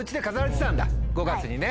５月にね。